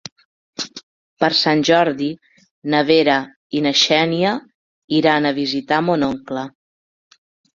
Per Sant Jordi na Vera i na Xènia iran a visitar mon oncle.